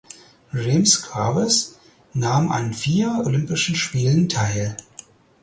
James Graves nahm an vier Olympischen Spielen teil.